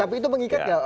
tapi itu mengikat nggak